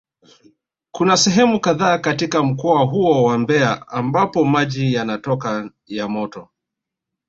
Kuna sehemu kadhaa katika mkoa huo wa Mbeya ambapo maji yanatoka ya moto